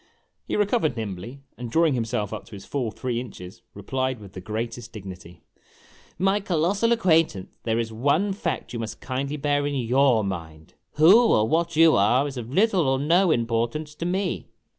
He recovered nimbly, and, drawing himself up to his full three inches, replied with the greatest dignity :" My colossal acquaintance, there is one fact you must kindly bear in your mind : Who. or what you are is of little or no impor tance to me.